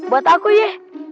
buat aku ya